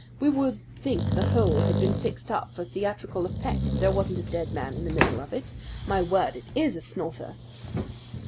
We would think the whole had been fixed up for theatrical effect if there wasn't a dead man in the middle of it. My word! it IS a snorter."